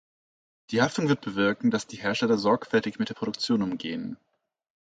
Die Haftung wird bewirken, dass die Hersteller sorgfältig mit der Produktion umgehen.